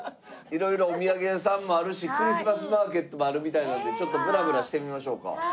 色々お土産屋さんもあるしクリスマスマーケットもあるみたいなのでちょっとぶらぶらしてみましょうか。